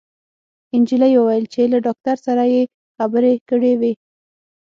انجلۍ وويل چې له داکتر سره يې خبرې کړې وې